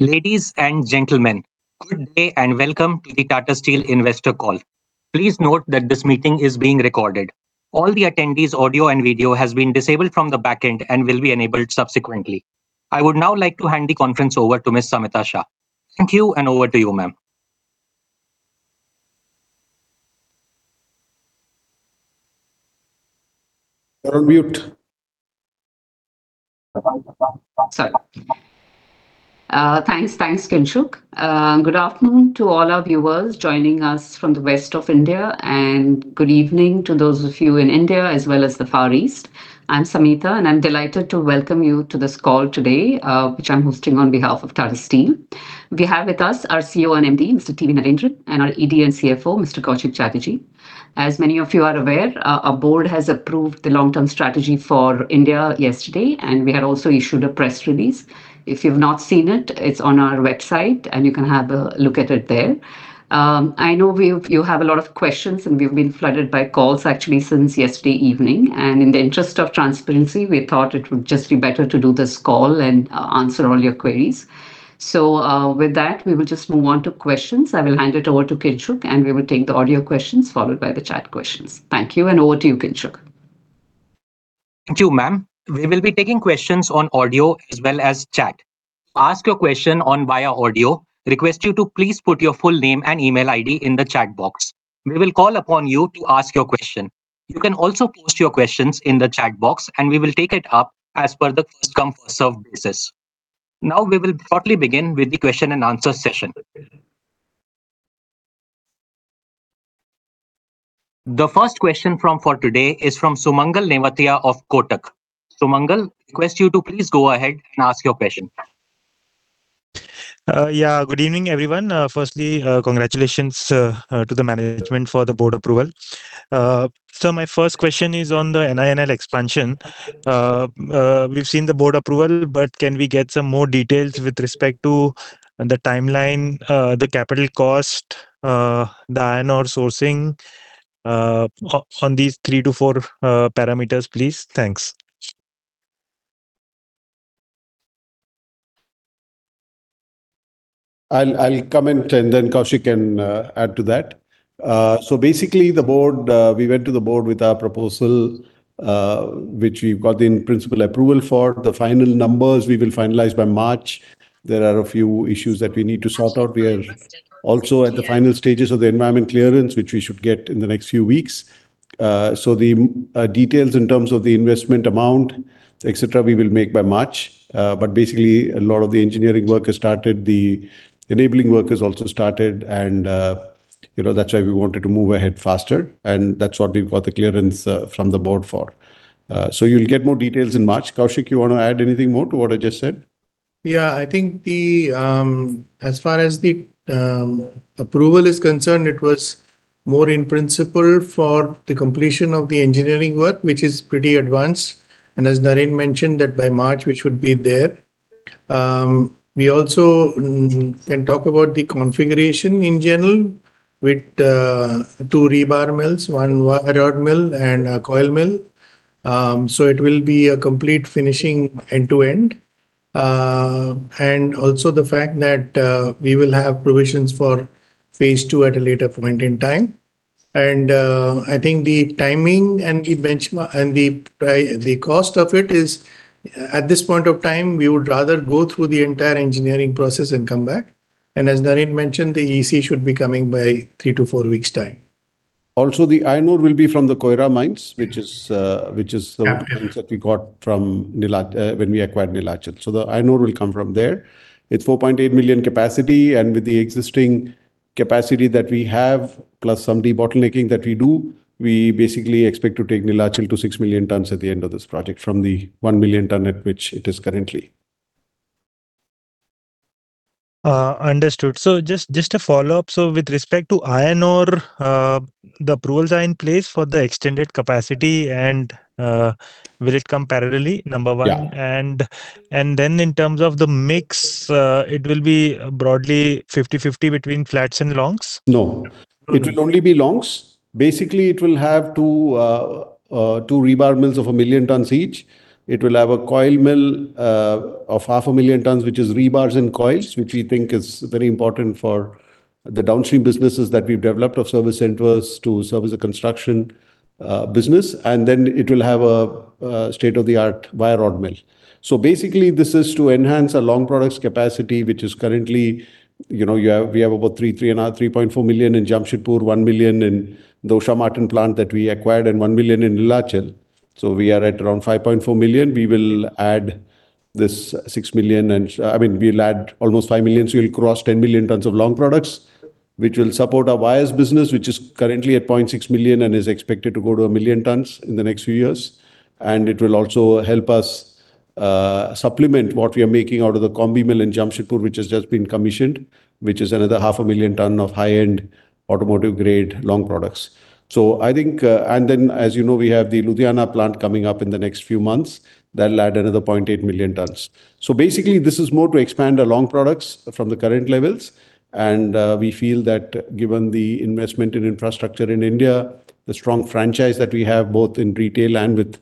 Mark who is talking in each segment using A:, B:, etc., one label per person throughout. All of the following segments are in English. A: Ladies and gentlemen, good day and welcome to the Tata Steel Investor Call. Please note that this meeting is being recorded. All the attendees' audio and video have been disabled from the back end and will be enabled subsequently. I would now like to hand the conference over to Ms. Samita Shah. Thank you, and over to you, ma'am.
B: You're on mute.
A: Sir.
C: Thanks, thanks, Kinshuk. Good afternoon to all our viewers joining us from the West of India, and good evening to those of you in India as well as the Far East. I'm Samita, and I'm delighted to welcome you to this call today, which I'm hosting on behalf of Tata Steel. We have with us our CEO and MD, Mr. T. V. Narendran, and our ED and CFO, Mr. Koushik Chatterjee. As many of you are aware, our board has approved the long-term strategy for India yesterday, and we had also issued a press release. If you've not seen it, it's on our website, and you can have a look at it there. I know you have a lot of questions, and we've been flooded by calls, actually, since yesterday evening. In the interest of transparency, we thought it would just be better to do this call and answer all your queries. So with that, we will just move on to questions. I will hand it over to Kinshuk, and we will take the audio questions followed by the chat questions. Thank you, and over to you, Kinshuk.
A: Thank you, ma'am. We will be taking questions on audio as well as chat. To ask your question via audio, request you to please put your full name and email ID in the chat box. We will call upon you to ask your question. You can also post your questions in the chat box, and we will take it up as per the first-come, first-served basis. Now, we will shortly begin with the question-and-answer session. The first question for today is from Sumangal Nevatia of Kotak. Sumangal, request you to please go ahead and ask your question.
D: Yeah, good evening, everyone. Firstly, congratulations to the management for the board approval. Sir, my first question is on the NINL expansion. We've seen the board approval, but can we get some more details with respect to the timeline, the capital cost, the iron ore sourcing on these three to four parameters, please? Thanks.
B: I'll comment, and then Koushik can add to that. So basically, we went to the board with our proposal, which we've got in-principle approval for. The final numbers, we will finalize by March. There are a few issues that we need to sort out. We are also at the final stages of the environmental clearance, which we should get in the next few weeks. So the details in terms of the investment amount, etc., we will make by March. But basically, a lot of the engineering work has started. The enabling work has also started, and that's why we wanted to move ahead faster. And that's what we've got the clearance from the board for. So you'll get more details in March. Koushik, you want to add anything more to what I just said?
E: Yeah, I think as far as the approval is concerned, it was more in principle for the completion of the engineering work, which is pretty advanced, and as Naren mentioned, that by March, we should be there. We also can talk about the configuration in general with two rebar mills, one rod mill, and a coil mill, so it will be a complete finishing end-to-end, and also the fact that we will have provisions for phase two at a later point in time. And I think the timing and the cost of it is, at this point of time, we would rather go through the entire engineering process and come back, and as Naren mentioned, the EC should be coming by three to four weeks' time.
B: Also, the iron ore will be from the Koira mines, which is the ones that we got from when we acquired Neelachal. So the iron ore will come from there. It's 4.8 million capacity. And with the existing capacity that we have, plus some debottling that we do, we basically expect to take Neelachal to 6 million tons at the end of this project from the 1 million ton at which it is currently.
D: Understood. So just a follow-up. So with respect to iron ore, the approvals are in place for the extended capacity, and will it come parallelly? Number one. And then in terms of the mix, it will be broadly 50-50 between flats and longs?
B: No, it will only be longs. Basically, it will have two rebar mills of 1 million tons each. It will have a coil mill of 500,000 tons, which is rebars and coils, which we think is very important for the downstream businesses that we've developed of service centers to service the construction business, and then it will have a state-of-the-art wire rod mill, so basically, this is to enhance our long products capacity, which is currently we have about 3.4 million in Jamshedpur, 1 million in the Usha Martin plant that we acquired, and 1 million in Neelachal. So we are at around 5.4 million. We will add this 6 million. I mean, we'll add almost 5 million. So we'll cross 10 million tons of long products, which will support our wires business, which is currently at 0.6 million and is expected to go to a million tons in the next few years. And it will also help us supplement what we are making out of the Combi Mill in Jamshedpur, which has just been commissioned, which is another half a million tons of high-end automotive-grade long products. So I think, and then, as you know, we have the Ludhiana plant coming up in the next few months that will add another 0.8 million tons. So basically, this is more to expand our long products from the current levels. And we feel that given the investment in infrastructure in India, the strong franchise that we have, both in retail and with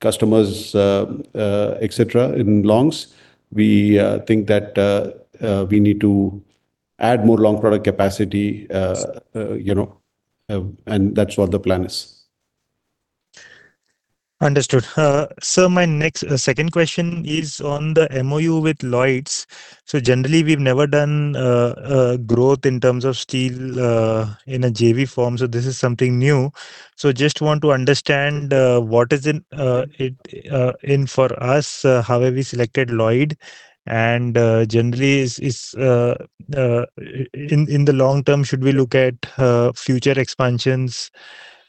B: customers, etc., in longs, we think that we need to add more long product capacity. That's what the plan is.
D: Understood. Sir, my next second question is on the MoU with Lloyds. So generally, we've never done growth in terms of steel in a JV form. So this is something new. So just want to understand what is in for us, how have we selected Lloyds, and generally, in the long term, should we look at future expansions,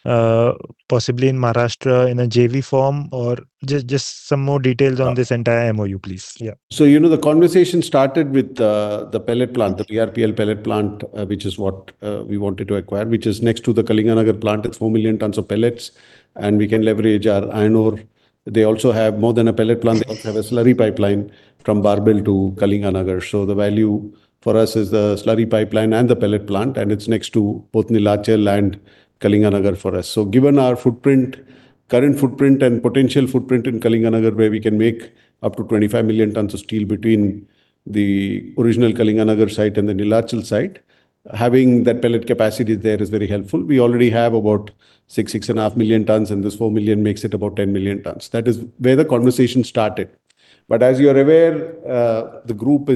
D: possibly in Maharashtra in a JV form, or just some more details on this entire MoU, please?
B: Yeah. So you know the conversation started with the pellet plant, the BRPL pellet plant, which is what we wanted to acquire, which is next to the Kalinganagar plant. It's 4 million tons of pellets, and we can leverage our iron ore. They also have more than a pellet plant. They also have a slurry pipeline from Barbil to Kalinganagar. So the value for us is the slurry pipeline and the pellet plant, and it's next to both Neelachal and Kalinganagar for us. So given our current footprint and potential footprint in Kalinganagar, where we can make up to 25 million tons of steel between the original Kalinganagar site and the Neelachal site, having that pellet capacity there is very helpful. We already have about 6, 6.5 million tons, and this 4 million makes it about 10 million tons. That is where the conversation started. As you're aware, that group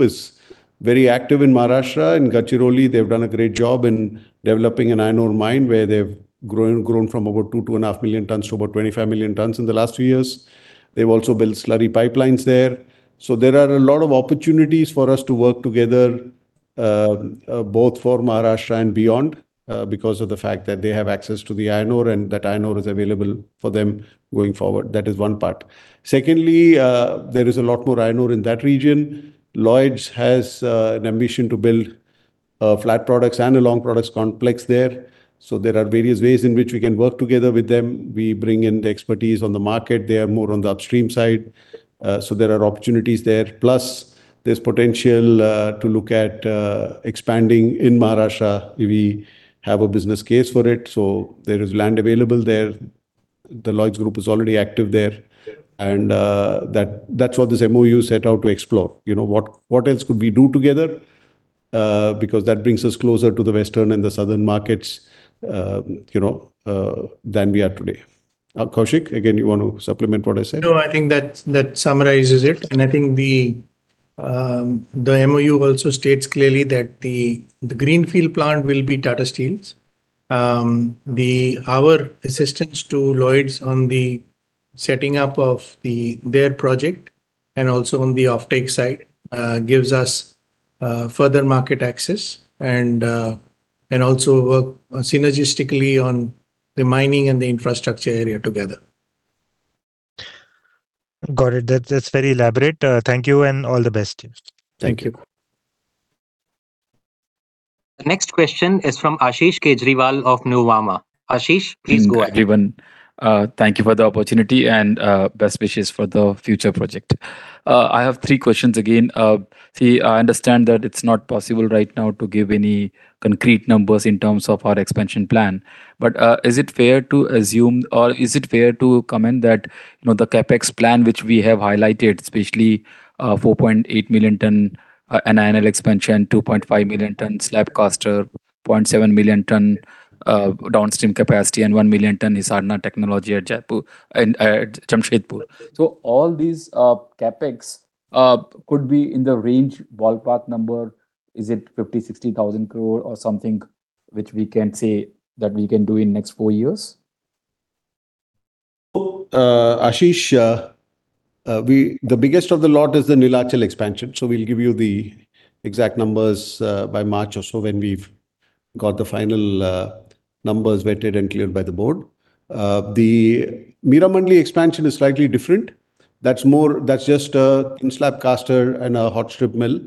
B: is very active in Maharashtra. In Gadchiroli, they've done a great job in developing an iron ore mine where they've grown from about 2 million-2.5 million tons to about 25 million tons in the last few years. They've also built slurry pipelines there. There are a lot of opportunities for us to work together, both for Maharashtra and beyond, because of the fact that they have access to the iron ore and that iron ore is available for them going forward. That is one part. Secondly, there is a lot more iron ore in that region. Lloyds has an ambition to build flat products and a long products complex there. There are various ways in which we can work together with them. We bring in the expertise on the market. They are more on the upstream side. There are opportunities there. Plus, there's potential to look at expanding in Maharashtra if we have a business case for it. So there is land available there. The Lloyds Group is already active there. And that's what this MoU set out to explore. What else could we do together? Because that brings us closer to the western and the southern markets than we are today. Koushik, again, you want to supplement what I said?
E: No, I think that summarizes it. And I think the MoU also states clearly that the greenfield plant will be Tata Steel's. Our assistance to Lloyds on the setting up of their project and also on the offtake side gives us further market access and also work synergistically on the mining and the infrastructure area together.
D: Got it. That's very elaborate. Thank you, and all the best.
E: Thank you.
A: The next question is from Ashish Kejriwal of Nuvama. Ashish, please go ahead.
F: Thank you for the opportunity and best wishes for the future project. I have three questions again. See, I understand that it's not possible right now to give any concrete numbers in terms of our expansion plan. But is it fair to assume, or is it fair to comment that the CapEx plan, which we have highlighted, especially 4.8 million-ton NINL expansion, 2.5 million-ton slab cluster, 0.7 million-ton downstream capacity, and 1 million-ton HIsarna technology at Jamshedpur? So all these CapEx could be in the range ballpark number. Is it 50,000- 60,000 crore or something which we can say that we can do in the next four years?
B: Ashish, the biggest of the lot is the Neelachal expansion. So we'll give you the exact numbers by March or so when we've got the final numbers vetted and cleared by the board. The Meramandali expansion is slightly different. That's just a thin slab caster and a hot strip mill.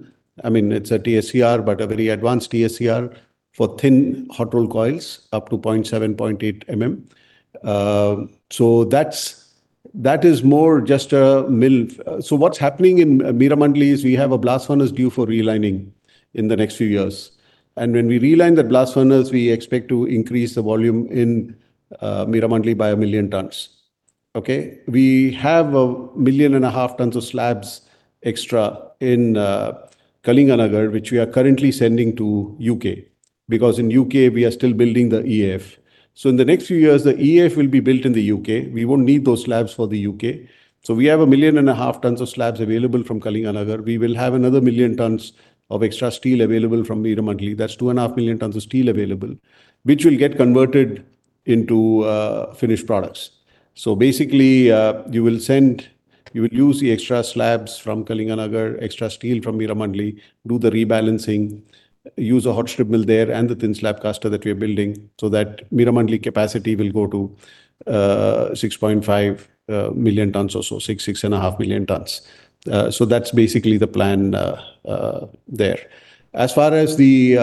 B: I mean, it's a TSCR, but a very advanced TSCR for thin hot-rollled coils, up to 0.7 mm, 0.8 mm. So that is more just a mill. So what's happening in Meramandali is we have a blast furnace due for relining in the next few years. And when we reline the blast furnace, we expect to increase the volume in Meramandali by a million tons. Okay? We have a million and a half tons of slabs extra in Kalinganagar, which we are currently sending to the U.K. because in the U.K., we are still building the EAF. So in the next few years, the EAF will be built in the U.K. We won't need those slabs for the U.K. So we have a million and a half tons of slabs available from Kalinganagar. We will have another million tons of extra steel available from Meramandali. That's 2.5 million tons of steel available, which will get converted into finished products. So basically, you will use the extra slabs from Kalinganagar, extra steel from Meramandali, do the rebalancing, use a hot strip mill there, and the thin slab caster that we are building so that Meramandali capacity will go to 6.5 million tons or so, 6, 6.5 million tons. So that's basically the plan there. As far as the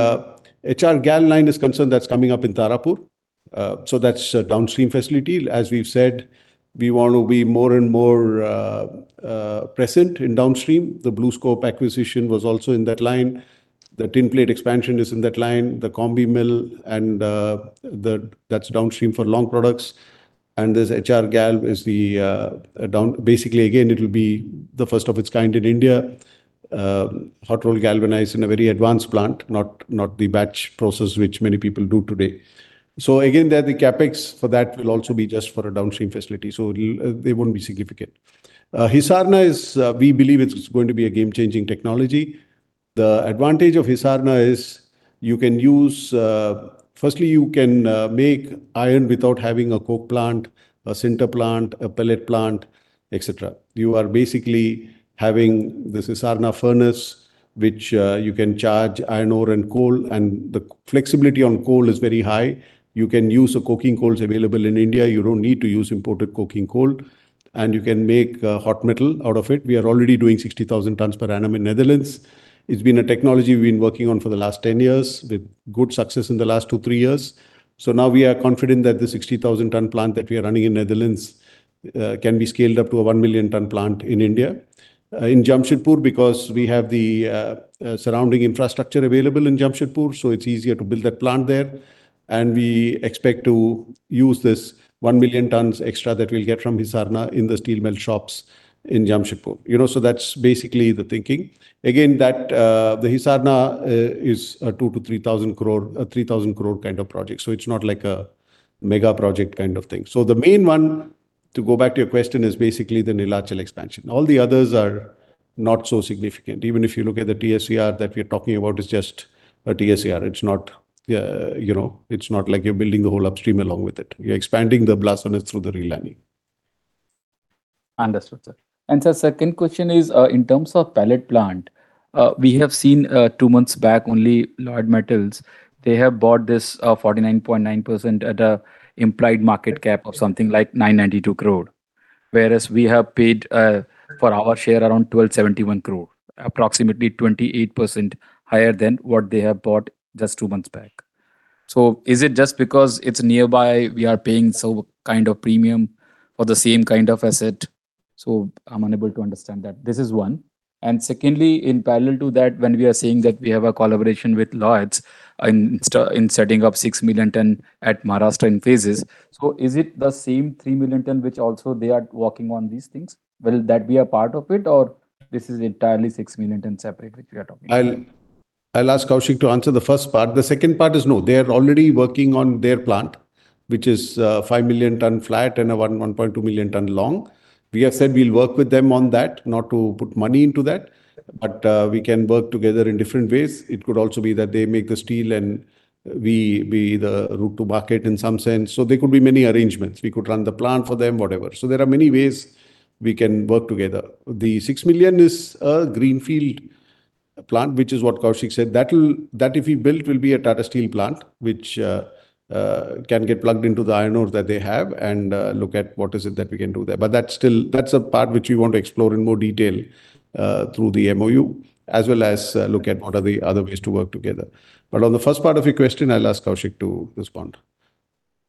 B: HR GAL line is concerned, that's coming up in Tarapur. So that's a downstream facility. As we've said, we want to be more and more present in downstream. The BlueScope acquisition was also in that line. The tin plate expansion is in that line. The combi mill, and that's downstream for long products, and there's HR GAL is the basically, again, it will be the first of its kind in India, hot-rolled galvanized in a very advanced plant, not the batch process which many people do today. So again, there are the CapEx for that will also be just for a downstream facility, so they won't be significant. HIsarna is, we believe, a game-changing technology. The advantage of HIsarna is you can use, firstly, you can make iron without having a coke plant, a sinter plant, a pellet plant, etc. You are basically having this HIsarna furnace, which you can charge iron ore and coal, and the flexibility on coal is very high. You can use the coking coals available in India. You don't need to use imported coking coal and you can make hot metal out of it. We are already doing 60,000 tons per annum in the Netherlands. It's been a technology we've been working on for the last 10 years with good success in the last two, three years, so now we are confident that the 60,000-ton plant that we are running in the Netherlands can be scaled up to a 1 million-ton plant in India, in Jamshedpur, because we have the surrounding infrastructure available in Jamshedpur. It's easier to build that plant there and we expect to use this 1 million tons extra that we'll get from HIsarna in the steel mill shops in Jamshedpur, so that's basically the thinking. Again, the HIsarna is a 2,000-3,000 crore kind of project, so it's not like a mega project kind of thing. So the main one, to go back to your question, is basically the Neelachal expansion. All the others are not so significant. Even if you look at the TSCR that we are talking about, it's just a TSCR. It's not like you're building the whole upstream along with it. You're expanding the blast furnace through the relining.
F: Understood, sir. And sir, second question is, in terms of pellet plant, we have seen two months back only Lloyds Metals. They have bought this 49.9% at an implied market cap of something like 992 crore, whereas we have paid for our share around 1,271 crore, approximately 28% higher than what they have bought just two months back. So is it just because it's nearby we are paying some kind of premium for the same kind of asset? So I'm unable to understand that. This is one. And secondly, in parallel to that, when we are saying that we have a collaboration with Lloyds in setting up 6 million ton at Maharashtra in phases, so is it the same 3 million ton which also they are working on these things? Will that be a part of it, or this is entirely 6 million ton separate which we are talking about?
B: I'll ask Koushik to answer the first part. The second part is no. They are already working on their plant, which is a 5 million ton flat and a 1.2 million ton long. We have said we'll work with them on that, not to put money into that, but we can work together in different ways. It could also be that they make the steel and we be the route to market in some sense. So there could be many arrangements. We could run the plant for them, whatever. So there are many ways we can work together. The 6 million is a greenfield plant, which is what Koushik said. That if we build, will be a Tata Steel plant, which can get plugged into the iron ore that they have and look at what is it that we can do there. But that's a part which we want to explore in more detail through the MoU, as well as look at what are the other ways to work together. But on the first part of your question, I'll ask Koushik to respond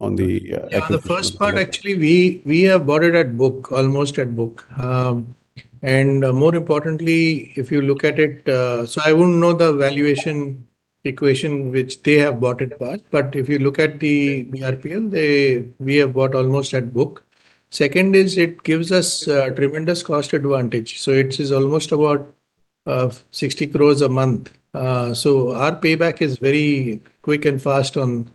B: on the.
E: On the first part, actually, we have bought it at book, almost at book. And more importantly, if you look at it, so I wouldn't know the valuation equation which they have bought it by, but if you look at the BRPL, we have bought almost at book. Second is it gives us a tremendous cost advantage. So it is almost about 60 crores a month. So our payback is very quick and fast on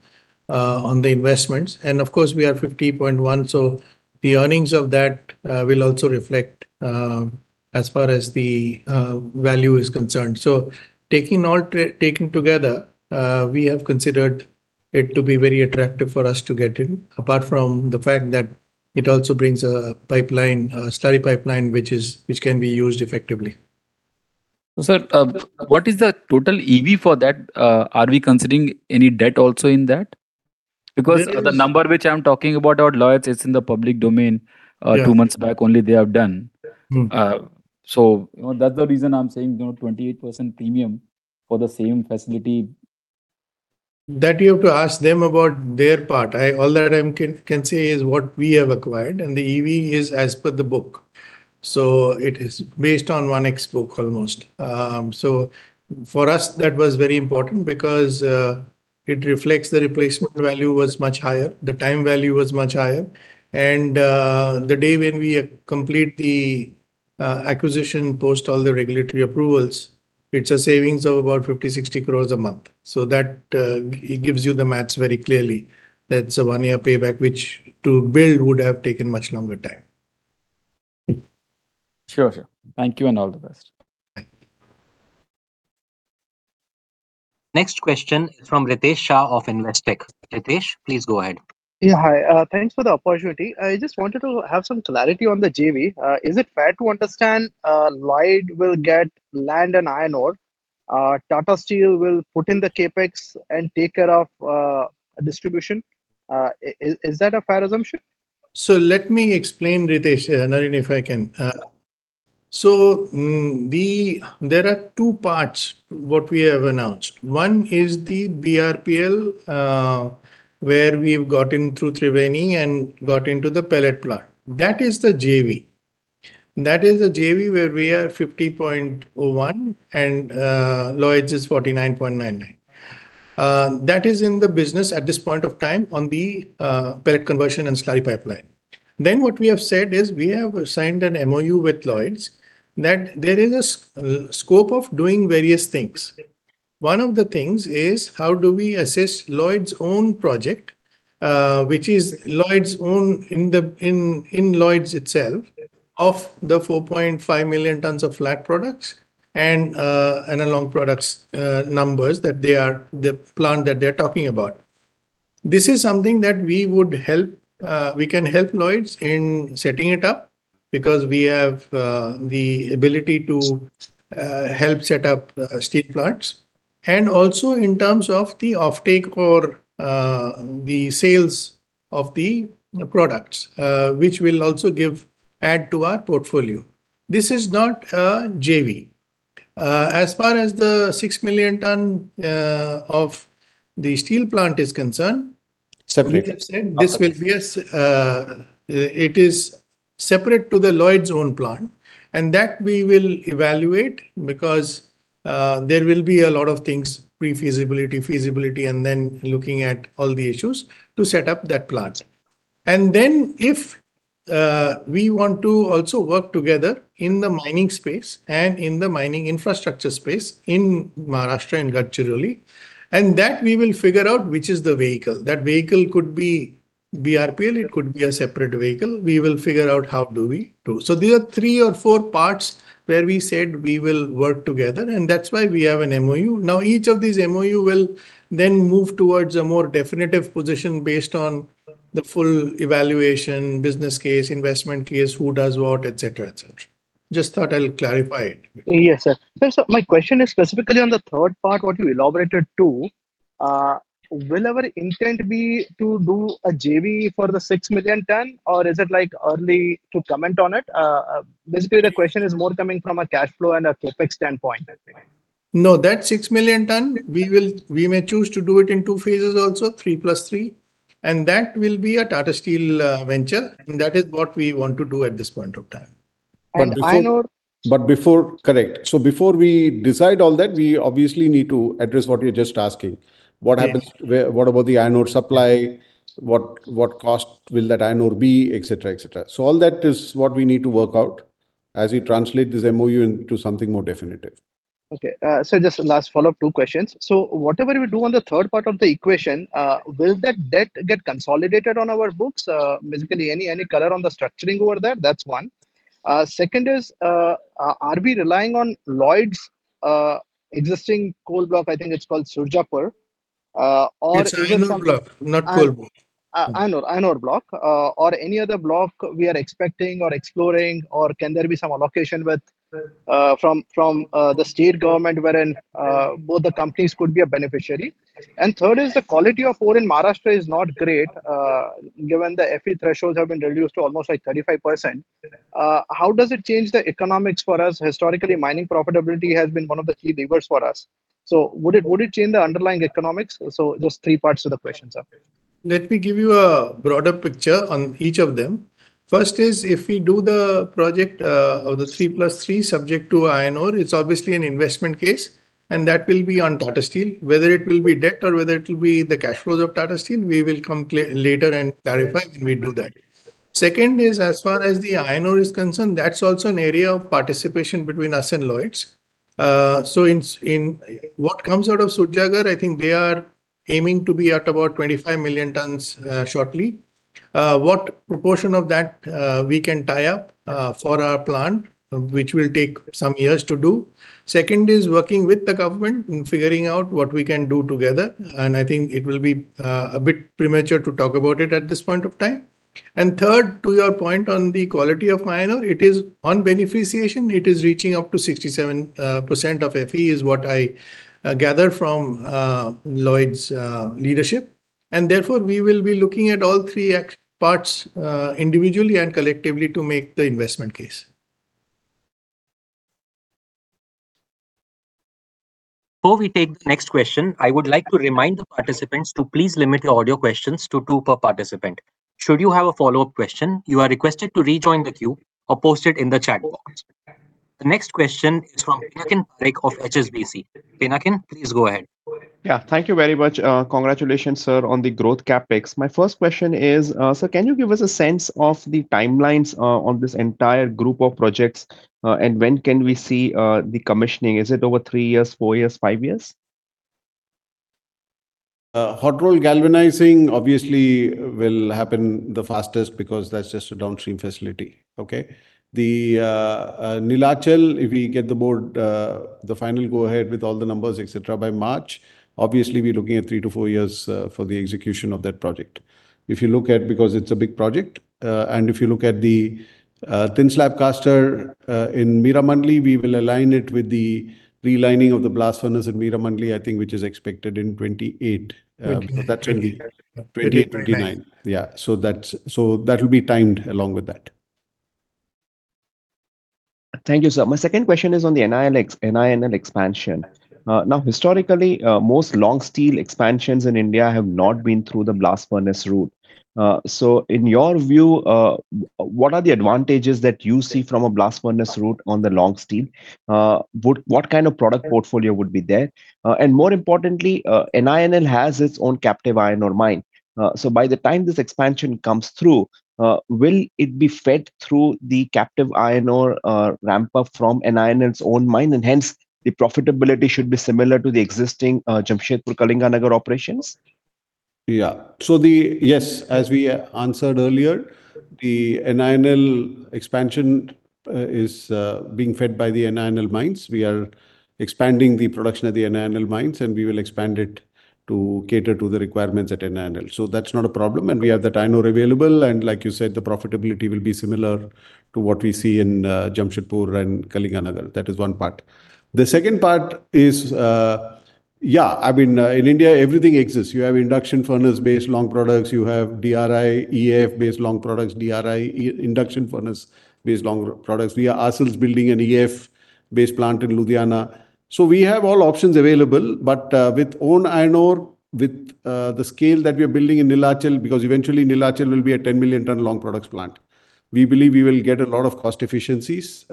E: the investments. And of course, we are 50.1. So the earnings of that will also reflect as far as the value is concerned. So taking together, we have considered it to be very attractive for us to get in, apart from the fact that it also brings a pipeline, a slurry pipeline, which can be used effectively.
F: Sir, what is the total EV for that? Are we considering any debt also in that? Because the number which I'm talking about, Lloyds, it's in the public domain. Two months back only they have done. So that's the reason I'm saying 28% premium for the same facility.
E: That you have to ask them about their part. All that I can say is what we have acquired, and the EV is as per the book. So it is based on 1x book almost. So for us, that was very important because it reflects the replacement value was much higher. The time value was much higher. And the day when we complete the acquisition, post all the regulatory approvals, it's a savings of about 50- 60 crore a month. So that gives you the math very clearly. That's a one-year payback, which to build would have taken much longer time.
G: Sure, sure. Thank you and all the best.
H: Thank you.
A: Next question is from Ritesh Shah of Investec. Ritesh, please go ahead.
I: Yeah, hi. Thanks for the opportunity. I just wanted to have some clarity on the JV. Is it fair to understand Lloyds will get land and iron ore, Tata Steel will put in the CapEx and take care of distribution? Is that a fair assumption?
E: Let me explain, Ritesh, if I can. There are two parts what we have announced. One is the BRPL where we've gotten through Thriveni and got into the pellet plant. That is the JV. That is the JV where we are 50.01 and Lloyds is 49.99. That is in the business at this point of time on the pellet conversion and slurry pipeline. What we have said is we have signed an MoU with Lloyds that there is a scope of doing various things. One of the things is how do we assist Lloyds own project, which is Lloyds own in Lloyds itself of the 4.5 million tons of flat products and long products numbers that they are the plant that they're talking about. This is something that we can help Lloyds in setting it up because we have the ability to help set up steel plants. We also, in terms of the offtake or the sales of the products, which will also add to our portfolio. This is not a JV. As far as the 6 million tons of the steel plant is concerned, we have said this will be; it is separate to the Lloyds own plant. We will evaluate because there will be a lot of things, pre-feasibility, feasibility, and then looking at all the issues to set up that plant. If we want to also work together in the mining space and in the mining infrastructure space in Maharashtra and Gadchiroli, we will figure out which is the vehicle. That vehicle could be BRPL. It could be a separate vehicle. We will figure out how do we do. So these are three or four parts where we said we will work together. And that's why we have an MoU. Now, each of these MoU will then move towards a more definitive position based on the full evaluation, business case, investment case, who does what, etc., etc. Just thought I'll clarify it.
I: Yes, sir. Sir, so my question is specifically on the third part, what you elaborated to, will our intent be to do a JV for the 6 million ton, or is it like early to comment on it? Basically, the question is more coming from a cash flow and a CapEx standpoint.
E: No, that 6 million ton, we may choose to do it in two phases also, three plus three, and that will be a Tata Steel venture, and that is what we want to do at this point of time.
I: Iron ore?
B: But before, correct. So before we decide all that, we obviously need to address what you're just asking. What happens? What about the iron ore supply? What cost will that iron ore be, etc., etc.? So all that is what we need to work out as we translate this MoU into something more definitive.
I: Okay. Sir, just last follow-up, two questions. So whatever we do on the third part of the equation, will that debt get consolidated on our books, basically any color on the structuring over there? That's one. Second is, are we relying on Lloyds' existing coal block, I think it's called Surjagarh, or?
E: It's iron ore block, not coal block.
I: Iron ore block, or any other block we are expecting or exploring, or can there be some allocation from the state government wherein both the companies could be a beneficiary? And third is the quality of ore in Maharashtra is not great given the Fe thresholds have been reduced to almost like 35%. How does it change the economics for us? Historically, mining profitability has been one of the key levers for us. So would it change the underlying economics? So just three parts of the questions, sir.
E: Let me give you a broader picture on each of them. First is if we do the project of the three plus three subject to iron ore, it's obviously an investment case. And that will be on Tata Steel. Whether it will be debt or whether it will be the cash flows of Tata Steel, we will come later and clarify when we do that. Second is, as far as the iron ore is concerned, that's also an area of participation between us and Lloyds. So in what comes out of Surjagarh, I think they are aiming to be at about 25 million tons shortly. What proportion of that we can tie up for our plant, which will take some years to do. Second is working with the government and figuring out what we can do together. And I think it will be a bit premature to talk about it at this point of time. And third, to your point on the quality of iron ore, it is on beneficiation. It is reaching up to 67% of Fe is what I gather from Lloyds' leadership. And therefore, we will be looking at all three parts individually and collectively to make the investment case.
A: Before we take the next question, I would like to remind the participants to please limit your audio questions to two per participant. Should you have a follow-up question, you are requested to rejoin the queue or post it in the chat box. The next question is from Pinakin Parekh of HSBC. Pinakin, please go ahead.
J: Yeah, thank you very much. Congratulations, sir, on the growth CapEx. My first question is, sir, can you give us a sense of the timelines on this entire group of projects and when can we see the commissioning? Is it over three years, four years, five years?
B: Hot-rolled galvanizing obviously will happen the fastest because that's just a downstream facility. Okay. The Neelachal, if we get the board the final go-ahead with all the numbers, etc., by March, obviously we're looking at three to four years for the execution of that project. If you look at, because it's a big project, and if you look at the thin slab caster in Meramandali, we will align it with the relining of the blast furnace in Meramandali, I think, which is expected in 2028. So that's going to be 2028, 2029. Yeah. So that will be timed along with that.
J: Thank you, sir. My second question is on the NINL expansion. Now, historically, most long steel expansions in India have not been through the blast furnace route. So in your view, what are the advantages that you see from a blast furnace route on the long steel? What kind of product portfolio would be there? And more importantly, NINL has its own captive iron ore mine. So by the time this expansion comes through, will it be fed through the captive iron ore ramp-up from NINL's own mine? And hence, the profitability should be similar to the existing Jamshedpur Kalinganagar operations?
B: Yeah. So yes, as we answered earlier, the NINL expansion is being fed by the NINL mines. We are expanding the production at the NINL mines, and we will expand it to cater to the requirements at NINL. So that's not a problem. And we have that iron ore available. And like you said, the profitability will be similar to what we see in Jamshedpur and Kalinganagar. That is one part. The second part is, yeah, I mean, in India, everything exists. You have induction furnace-based long products. You have DRI, EAF-based long products, DRI, induction furnace-based long products. We are also building an EAF-based plant in Ludhiana. So we have all options available, but with own iron ore, with the scale that we are building in Neelachal, because eventually Neelachal will be a 10-million-ton long products plant, we believe we will get a lot of cost efficiencies.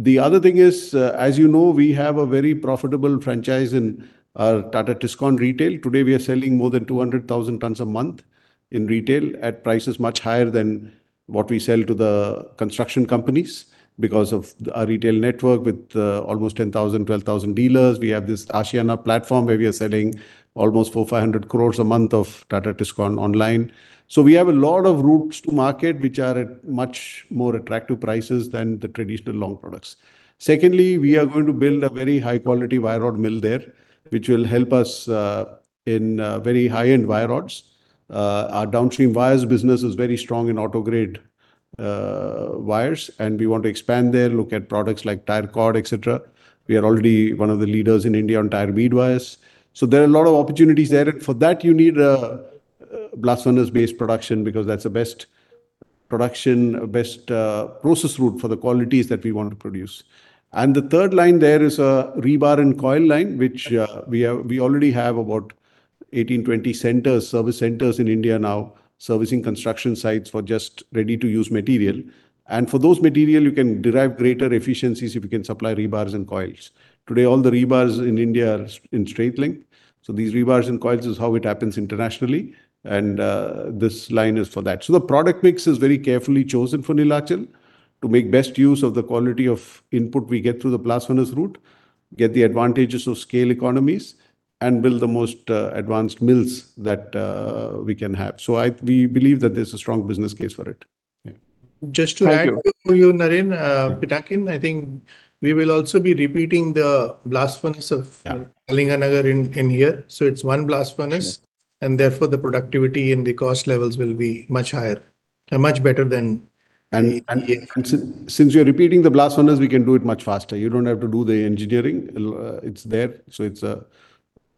B: The other thing is, as you know, we have a very profitable franchise in our Tata Tiscon retail. Today, we are selling more than 200,000 tons a month in retail at prices much higher than what we sell to the construction companies because of our retail network with almost 10,000-12,000 dealers. We have this Aashiyana platform where we are selling almost 400- 500 crores a month of Tata Tiscon online. So we have a lot of routes to market, which are at much more attractive prices than the traditional long products. Secondly, we are going to build a very high-quality wire rod mill there, which will help us in very high-end wire rods. Our downstream wires business is very strong in autograde wires, and we want to expand there, look at products like tire cord, etc. We are already one of the leaders in India on tire bead wires. So there are a lot of opportunities there. And for that, you need a blast furnace-based production because that's the best production, best process route for the qualities that we want to produce. And the third line there is a rebar and coil line, which we already have about 18-20 centers, service centers in India now servicing construction sites for just ready-to-use material. And for those material, you can derive greater efficiencies if you can supply rebars and coils. Today, all the rebars in India are in straight length. So these rebars and coils is how it happens internationally. And this line is for that. So the product mix is very carefully chosen for Neelachal to make best use of the quality of input we get through the blast furnace route, get the advantages of scale economies, and build the most advanced mills that we can have. We believe that there's a strong business case for it.
E: Just to add to you, Naren, Pinakin, I think we will also be repeating the blast furnace of Kalinganagar in here. So it's one blast furnace, and therefore the productivity and the cost levels will be much higher and much better than.
B: Since we are repeating the blast furnace, we can do it much faster. You don't have to do the engineering. It's there. So it's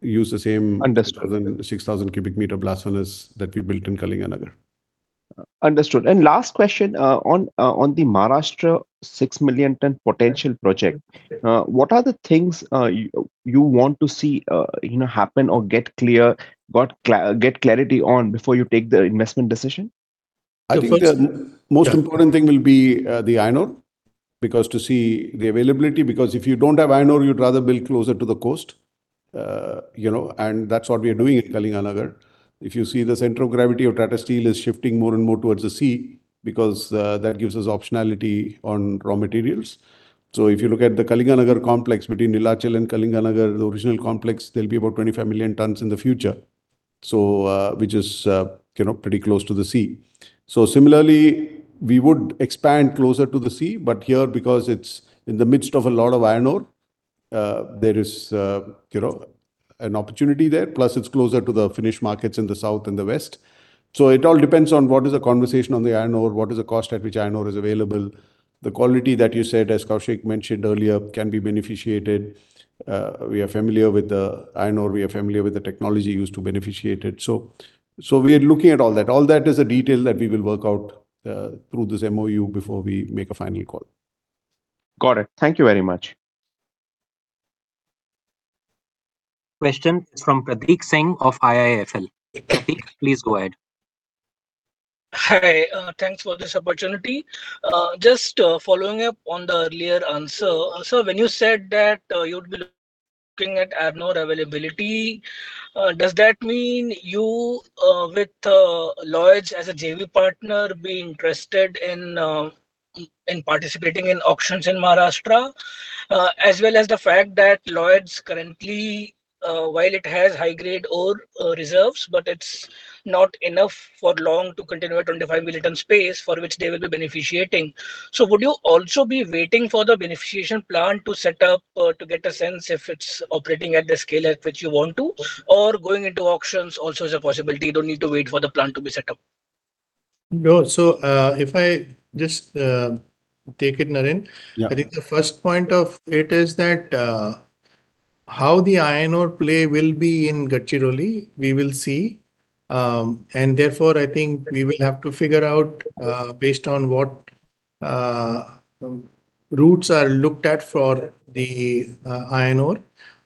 B: use the same 6,000 m3 blast furnace that we built in Kalinganagar.
J: Understood. And last question on the Maharashtra 6 million ton potential project. What are the things you want to see happen or get clear, get clarity on before you take the investment decision?
B: I think the most important thing will be the iron ore because to see the availability, because if you don't have iron ore, you'd rather build closer to the coast, and that's what we are doing in Kalinganagar. If you see the center of gravity of Tata Steel is shifting more and more towards the sea because that gives us optionality on raw materials, so if you look at the Kalinganagar complex between Neelachal and Kalinganagar, the original complex, there'll be about 25 million tons in the future, which is pretty close to the sea. So similarly, we would expand closer to the sea, but here because it's in the midst of a lot of iron ore, there is an opportunity there. Plus, it's closer to the finishing markets in the South and the West. It all depends on what is the conversation on the iron ore, what is the cost at which iron ore is available. The quality that you said, as Koushik mentioned earlier, can be beneficiated. We are familiar with the iron ore. We are familiar with the technology used to beneficiate it. We are looking at all that. All that is a detail that we will work out through this MoU before we make a final call.
J: Got it. Thank you very much.
A: Question from Pradeep Singh of IIFL. Pradeep, please go ahead.
K: Hi. Thanks for this opportunity. Just following up on the earlier answer, sir, when you said that you would be looking at iron ore availability, does that mean you, with Lloyds as a JV partner, be interested in participating in auctions in Maharashtra, as well as the fact that Lloyds currently, while it has high-grade ore reserves, but it's not enough for long to continue at 25 million ton space for which they will be beneficiating? So would you also be waiting for the beneficiation plant to set up to get a sense if it's operating at the scale at which you want to, or going into auctions also is a possibility? You don't need to wait for the plant to be set up.
E: No. So if I just take it, Naren, I think the first point of it is that how the iron ore play will be in Gadchiroli, we will see. And therefore, I think we will have to figure out based on what routes are looked at for the iron ore.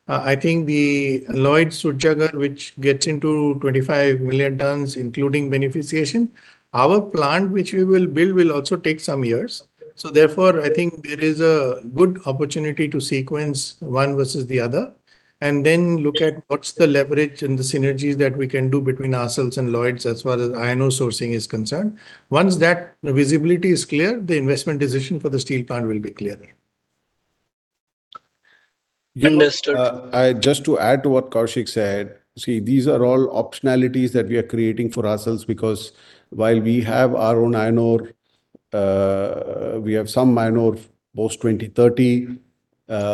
E: I think the Lloyds Surjagarh, which gets into 25 million tons, including beneficiation, our plant which we will build will also take some years. So therefore, I think there is a good opportunity to sequence one versus the other and then look at what's the leverage and the synergies that we can do between ourselves and Lloyds as far as iron ore sourcing is concerned. Once that visibility is clear, the investment decision for the steel plant will be clearer.
K: Understood.
B: Just to add to what Koushik said, see, these are all optionalities that we are creating for ourselves because while we have our own iron ore, we have some iron ore post 2030.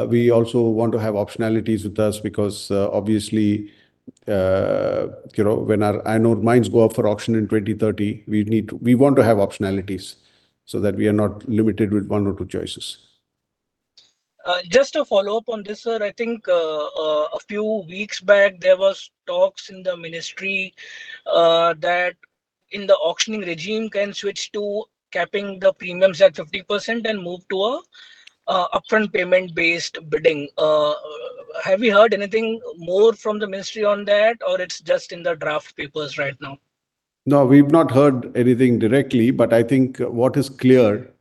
B: We also want to have optionalities with us because obviously when our iron ore mines go up for auction in 2030, we want to have optionalities so that we are not limited with one or two choices.
K: Just to follow up on this, sir, I think a few weeks back, there were talks in the ministry that in the auctioning regime can switch to capping the premiums at 50% and move to an upfront payment-based bidding. Have we heard anything more from the ministry on that, or it's just in the draft papers right now?
B: No, we've not heard anything directly, but I think what is clear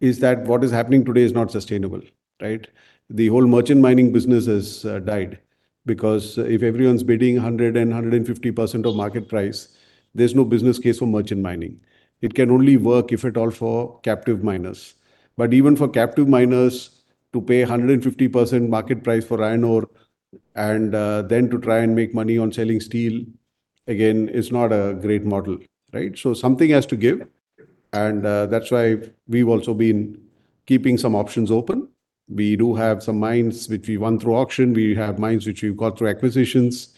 B: is that what is happening today is not sustainable, right? The whole merchant mining business has died because if everyone's bidding 100% and 150% of market price, there's no business case for merchant mining. It can only work if at all for captive miners. But even for captive miners to pay 150% market price for iron ore and then to try and make money on selling steel again is not a great model, right? So something has to give. And that's why we've also been keeping some options open. We do have some mines which we won through auction. We have mines which we've got through acquisitions.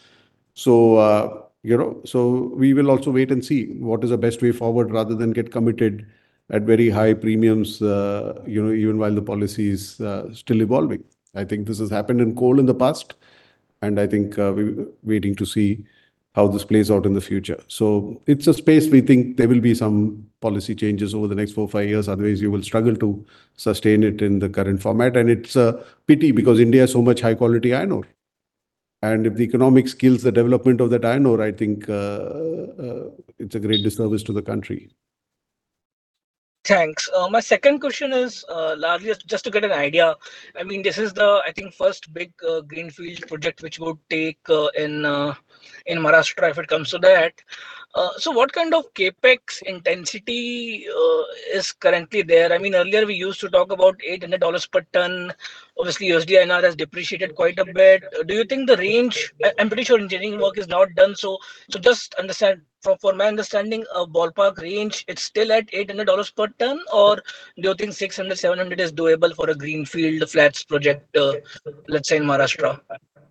B: So we will also wait and see what is the best way forward rather than get committed at very high premiums even while the policy is still evolving. I think this has happened in coal in the past, and I think we're waiting to see how this plays out in the future, so it's a space we think there will be some policy changes over the next four, five years. Otherwise, you will struggle to sustain it in the current format, and it's a pity because India has so much high-quality iron ore, and if the economic scale, the development of that iron ore, I think it's a great disservice to the country.
K: Thanks. My second question is largely just to get an idea. I mean, this is the, I think, first big greenfield project which would take in Maharashtra if it comes to that. So what kind of CapEx intensity is currently there? I mean, earlier we used to talk about $800 per ton. Obviously, USD INR has depreciated quite a bit. Do you think the range? I'm pretty sure engineering work is not done. So just understand, for my understanding, a ballpark range, it's still at $800 per ton, or do you think $600-$700 is doable for a greenfield flat project, let's say, in Maharashtra?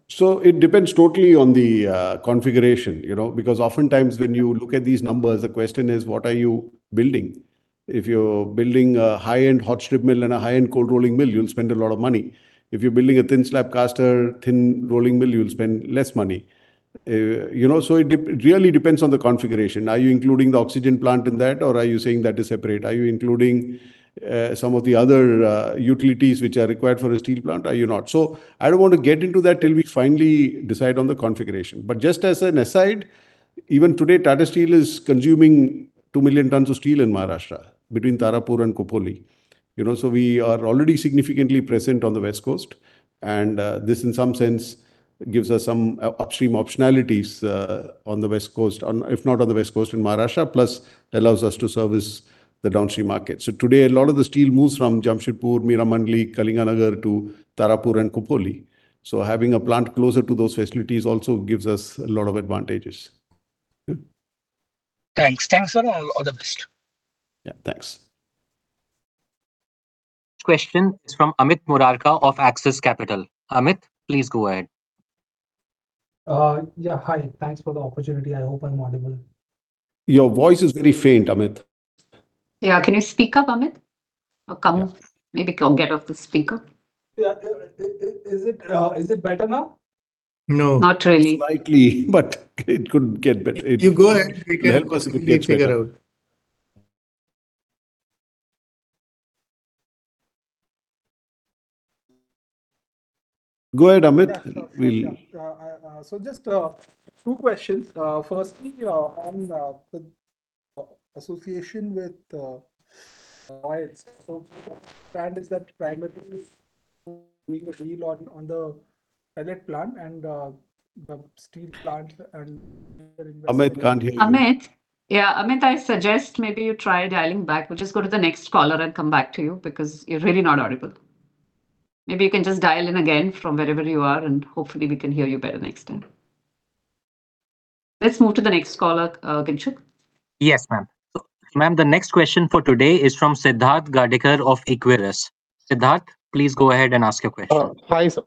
B: So it depends totally on the configuration. Because oftentimes when you look at these numbers, the question is, what are you building? If you're building a high-end hot strip mill and a high-end cold rolling mill, you'll spend a lot of money. If you're building a thin slab caster, thin rolling mill, you'll spend less money. So it really depends on the configuration. Are you including the oxygen plant in that, or are you saying that is separate? Are you including some of the other utilities which are required for a steel plant? Are you not? So I don't want to get into that till we finally decide on the configuration. But just as an aside, even today, Tata Steel is consuming 2 million tons of steel in Maharashtra between Tarapur and Khopoli. So we are already significantly present on the West coast. And this, in some sense, gives us some upstream optionalities on the West coast, if not on the West coast in Maharashtra, plus allows us to service the downstream market. So today, a lot of the steel moves from Jamshedpur, Meramandali, Kalinganagar to Tarapur and Khopoli. So having a plant closer to those facilities also gives us a lot of advantages.
K: Thanks. Thanks, sir. All the best.
B: Yeah, thanks.
A: Question is from Amit Murarka of Axis Capital. Amit, please go ahead.
L: Yeah, hi. Thanks for the opportunity. I hope I'm audible.
B: Your voice is very faint, Amit.
C: Yeah. Can you speak up, Amit? Or come off? Maybe get off the speaker.
L: Is it better now?
E: No.
C: Not really.
B: Slightly, but it could get better.
E: You go ahead. We can help us. Let's figure out.
B: Go ahead, Amit.
L: So just two questions. Firstly, on the association with Lloyds, so the plan is that primarily we will deal on the pellet plant and the steel plant and.
B: Amit can't hear.
C: Amit. Yeah, Amit, I suggest maybe you try dialing back. We'll just go to the next caller and come back to you because you're really not audible. Maybe you can just dial in again from wherever you are, and hopefully we can hear you better next time. Let's move to the next caller, Kinshuk.
A: Yes, ma'am. So ma'am, the next question for today is from Siddharth Gadekar of Equirus. Siddhartha, please go ahead and ask your question.
M: Hi, sir.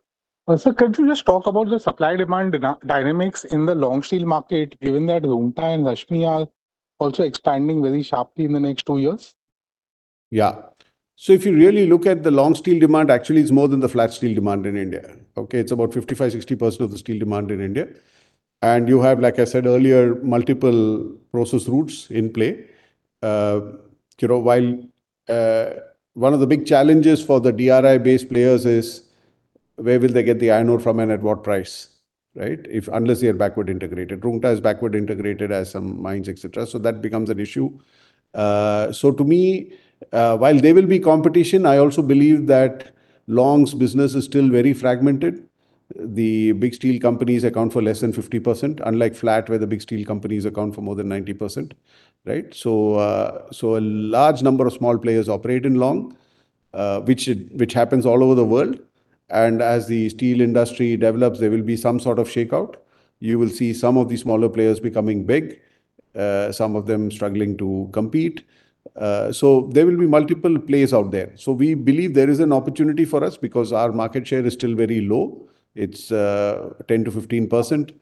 M: So can you just talk about the supply-demand dynamics in the long steel market, given that Rungta and Rashmi are also expanding very sharply in the next two years?
B: Yeah. So if you really look at the long steel demand, actually, it's more than the flat steel demand in India. Okay? It's about 55%-60% of the steel demand in India. And you have, like I said earlier, multiple process routes in play. While one of the big challenges for the DRI-based players is where will they get the iron ore from and at what price, right? Unless they are backward integrated. Rungta is backward integrated as some mines, etc. So that becomes an issue. So to me, while there will be competition, I also believe that long's business is still very fragmented. The big steel companies account for less than 50%, unlike flat where the big steel companies account for more than 90%, right? So a large number of small players operate in long, which happens all over the world. And as the steel industry develops, there will be some sort of shakeout. You will see some of the smaller players becoming big, some of them struggling to compete, so there will be multiple plays out there, so we believe there is an opportunity for us because our market share is still very low. It's 10%-15%.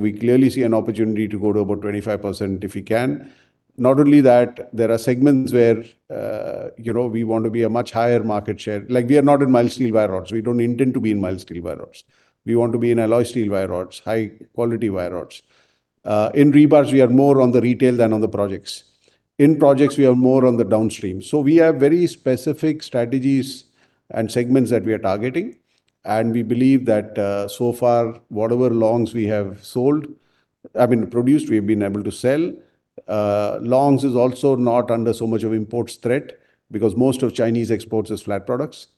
B: We clearly see an opportunity to go to about 25% if we can. Not only that, there are segments where we want to be a much higher market share. We are not in mild steel wire rods. We don't intend to be in mild steel wire rods. We want to be in alloy steel wire rods, high-quality wire rods. In rebars, we are more on the retail than on the projects. In projects, we are more on the downstream, so we have very specific strategies and segments that we are targeting. We believe that so far, whatever Longs we have sold, I mean, produced, we've been able to sell. Longs is also not under so much of imports threat because most of Chinese exports is flat products.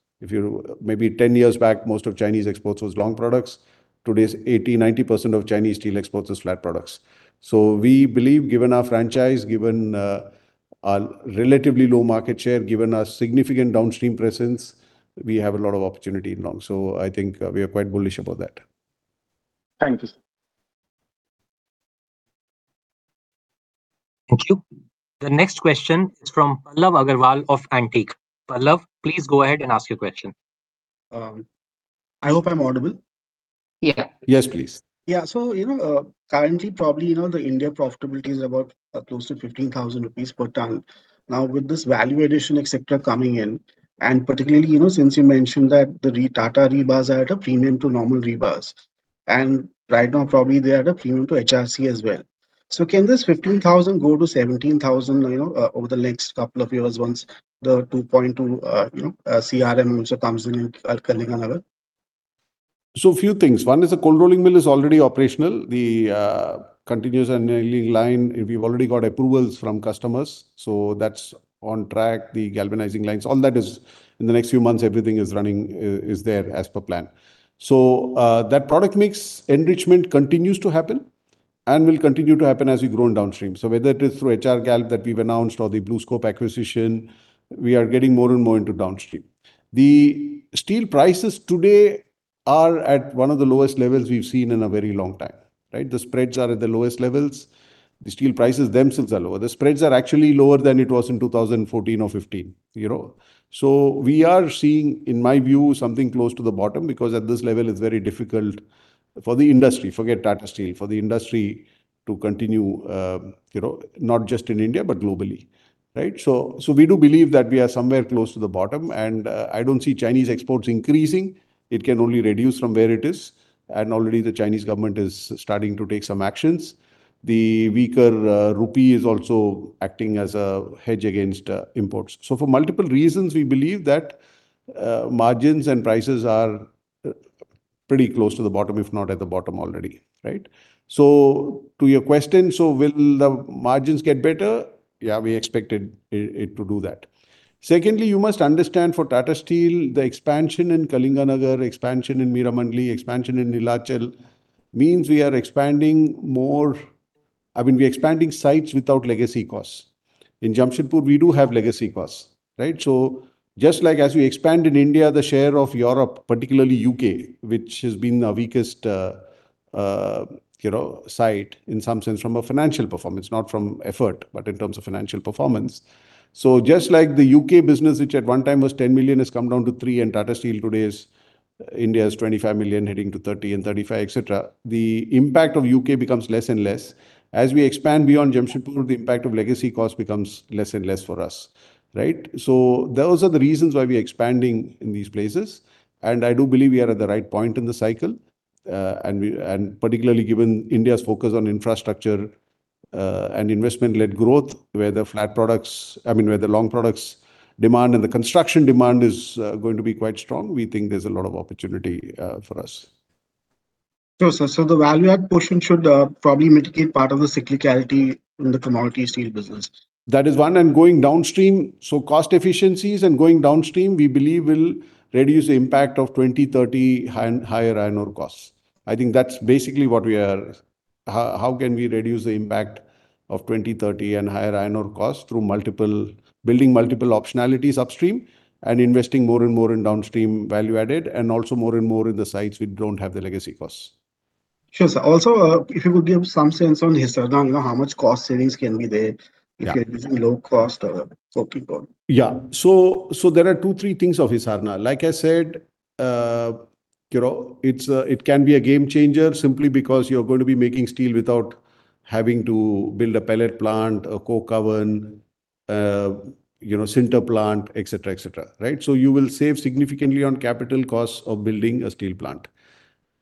B: Maybe 10 years back, most of Chinese exports was long products. Today's 80%-90% of Chinese steel exports is flat products. So we believe, given our franchise, given our relatively low market share, given our significant downstream presence, we have a lot of opportunity in Long. So I think we are quite bullish about that.
M: Thank you, sir.
A: Thank you. The next question is from Pallav Agarwal of Antique. Pallav, please go ahead and ask your question.
N: I hope I'm audible.
C: Yeah.
B: Yes, please.
N: Yeah. So currently, probably the India profitability is about close to 15,000 rupees per ton. Now, with this value addition, etc., coming in, and particularly since you mentioned that the Tata rebars are at a premium to normal rebars. And right now, probably they are at a premium to HRC as well. So can this 15,000 go to 17,000 over the next couple of years once the 2.2 CRM also comes in in Kalinganagar?
B: So a few things. One is the cold rolling mill is already operational. The continuous annealing line, we've already got approvals from customers. So that's on track, the galvanizing lines. All that is in the next few months, everything is running. It's there as per plan. So that product mix enrichment continues to happen and will continue to happen as we grow in downstream. So whether it is through HR Gal that we've announced or the BlueScope acquisition, we are getting more and more into downstream. The steel prices today are at one of the lowest levels we've seen in a very long time, right? The spreads are at the lowest levels. The steel prices themselves are lower. The spreads are actually lower than it was in 2014 or 2015. So we are seeing, in my view, something close to the bottom because at this level, it's very difficult for the industry, forget Tata Steel, for the industry to continue, not just in India, but globally, right? So we do believe that we are somewhere close to the bottom. And I don't see Chinese exports increasing. It can only reduce from where it is. And already the Chinese government is starting to take some actions. The weaker rupee is also acting as a hedge against imports. So for multiple reasons, we believe that margins and prices are pretty close to the bottom, if not at the bottom already, right? So to your question, so will the margins get better? Yeah, we expected it to do that. Secondly, you must understand for Tata Steel, the expansion in Kalinganagar, expansion in Meramandali, expansion in Neelachal means we are expanding more. I mean, we are expanding sites without legacy costs. In Jamshedpur, we do have legacy costs, right? So just like as we expand in India, the share of Europe, particularly U.K., which has been the weakest site in some sense from a financial performance, not from effort, but in terms of financial performance. So just like the U.K. business, which at one time was 10 million, has come down to three, and Tata Steel today is India's 25 million, heading to 30 million and 35 million, etc. The impact of U.K. becomes less and less. As we expand beyond Jamshedpur, the impact of legacy costs becomes less and less for us, right? So those are the reasons why we are expanding in these places, and I do believe we are at the right point in the cycle. Particularly given India's focus on infrastructure and investment-led growth, where the flat products, I mean, the long products demand and the construction demand is going to be quite strong, we think there's a lot of opportunity for us.
N: Sure, sir. So the value-add portion should probably mitigate part of the cyclicality in the commodity steel business.
B: That is one. And going downstream, so cost efficiencies and going downstream, we believe will reduce the impact of 2030 higher iron ore costs. I think that's basically what we are. How can we reduce the impact of 2030 and higher iron ore costs through building multiple optionalities upstream and investing more and more in downstream value-added and also more and more in the sites we don't have the legacy costs?
N: Sure, sir. Also, if you could give some sense on HIsarna, how much cost savings can be there if you're using low-cost or working on?
B: Yeah, so there are two, three things of HIsarna. Like I said, it can be a game changer simply because you're going to be making steel without having to build a pellet plant, a coke oven, a sinter plant, etc., etc., right? So you will save significantly on capital costs of building a steel plant.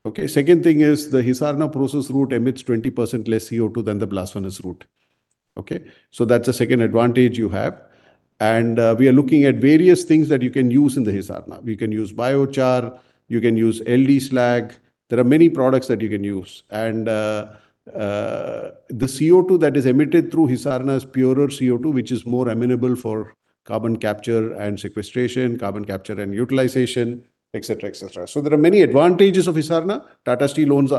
B: Okay? Second thing is the HIsarna process route emits 20% less CO2 than the blast furnace route. Okay? So that's the second advantage you have. And we are looking at various things that you can use in the HIsarna. You can use biochar. You can use LD slag. There are many products that you can use. And the CO2 that is emitted through HIsarna is purer CO2, which is more amenable for carbon capture and sequestration, carbon capture and utilization, etc., etc. So there are many advantages of HIsarna. Tata Steel owns the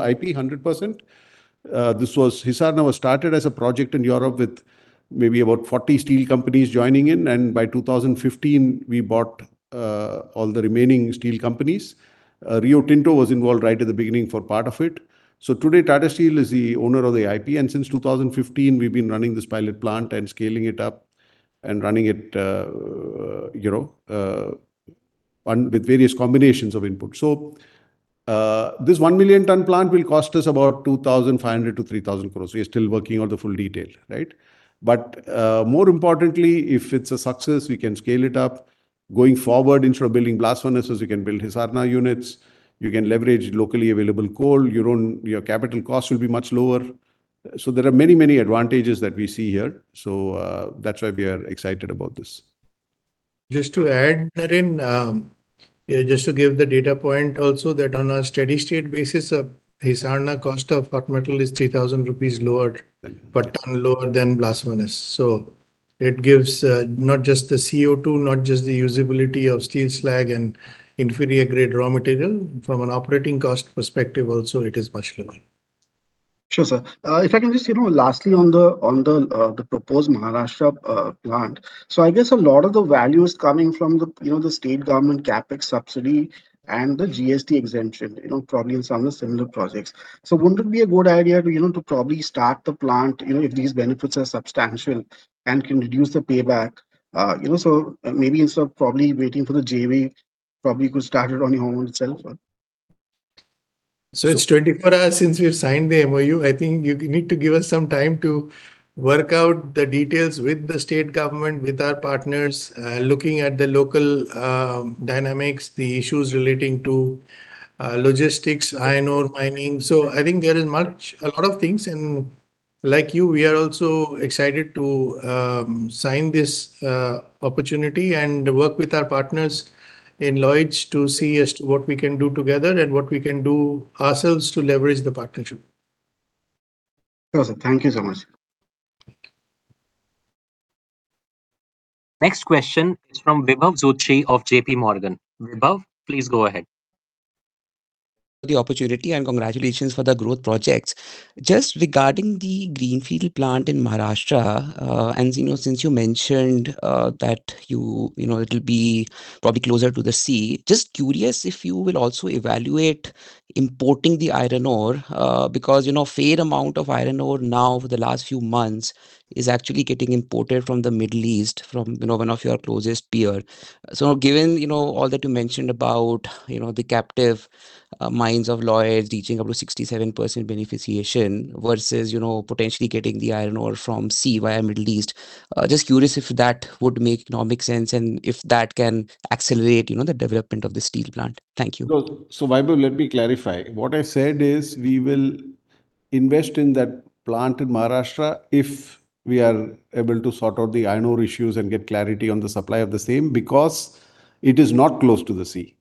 B: IP 100%. HIsarna was started as a project in Europe with maybe about 40 steel companies joining in. By 2015, we bought all the remaining steel companies. Rio Tinto was involved right at the beginning for part of it. Today, Tata Steel is the owner of the IP. Since 2015, we've been running this pilot plant and scaling it up and running it with various combinations of input. This 1 million-ton plant will cost us about 2,500- 3,000 crore. We are still working on the full detail, right? But more importantly, if it's a success, we can scale it up. Going forward, instead of building blast furnaces, you can build HIsarna units. You can leverage locally available coal. Your capital cost will be much lower. There are many, many advantages that we see here. That's why we are excited about this.
E: Just to add, Naren, just to give the data point also that on a steady-state basis, HIsarna cost of hot metal is 3,000 rupees lower per ton than blast furnace. So it gives not just the CO2, not just the usability of steel slag and inferior-grade raw material. From an operating cost perspective, also, it is much lower.
N: Sure, sir. If I can just lastly on the proposed Maharashtra plant, so I guess a lot of the value is coming from the state government CapEx subsidy and the GST exemption, probably in some of the similar projects. So wouldn't it be a good idea to probably start the plant if these benefits are substantial and can reduce the payback? So maybe instead of probably waiting for the JV, probably you could start it on your own itself.
E: So it's 24 hours since we've signed the MoU. I think you need to give us some time to work out the details with the state government, with our partners, looking at the local dynamics, the issues relating to logistics, iron ore mining. So I think there is a lot of things. And like you, we are also excited to sign this opportunity and work with our partners in Lloyds to see as to what we can do together and what we can do ourselves to leverage the partnership.
N: Sure, sir. Thank you so much.
A: Next question is from Vaibhav Joshi of JPMorgan. Vaibhav, please go ahead.
O: The opportunity and congratulations for the growth projects. Just regarding the greenfield plant in Maharashtra, and since you mentioned that it'll be probably closer to the sea, just curious if you will also evaluate importing the iron ore because a fair amount of iron ore now for the last few months is actually getting imported from the Middle East from one of your closest peers. So given all that you mentioned about the captive mines of Lloyds reaching up to 67% beneficiation versus potentially getting the iron ore from sea via Middle East, just curious if that would make economic sense and if that can accelerate the development of the steel plant. Thank you.
B: So Vaibhav, let me clarify. What I said is we will invest in that plant in Maharashtra if we are able to sort out the iron ore issues and get clarity on the supply of the same because it is not close to the sea.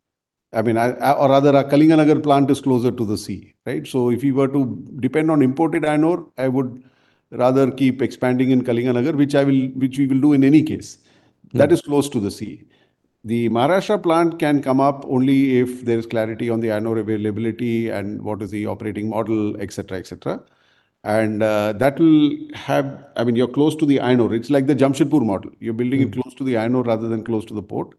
B: I mean, or rather, our Kalinganagar plant is closer to the sea, right? So if you were to depend on imported iron ore, I would rather keep expanding in Kalinganagar, which we will do in any case. That is close to the sea. The Maharashtra plant can come up only if there is clarity on the iron ore availability and what is the operating model, etc., etc. And that will have, I mean, you're close to the iron ore. It's like the Jamshedpur model. You're building it close to the iron ore rather than close to the port.